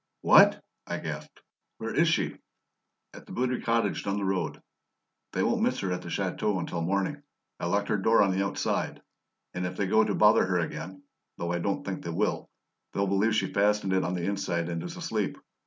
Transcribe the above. "What?" I gasped. "Where is she?" "At the Baudry cottage down the road. They won't miss her at the chateau until morning; I locked her door on the outside, and if they go to bother her again though I don't think they will they'll believe she's fastened it on the inside and is asleep.